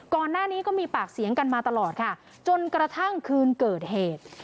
ก่อนหน้านี้ก็มีปากเสียงกันมาตลอดค่ะจนกระทั่งคืนเกิดเหตุ